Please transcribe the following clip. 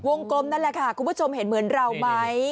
กลมนั่นแหละค่ะคุณผู้ชมเห็นเหมือนเราไหม